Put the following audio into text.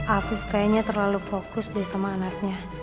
afif kayaknya terlalu fokus deh sama anaknya